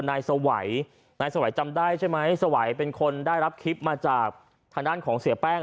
นายสวัยนายสวัยจำได้ใช่ไหมสวัยเป็นคนได้รับคลิปมาจากทางด้านของเสียแป้ง